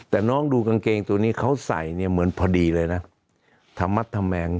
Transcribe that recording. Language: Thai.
แต่น้องดูกางเกงตัวนี้เขาใส่เนี่ยเหมือนพอดีเลยนะธรรมมัดธแมง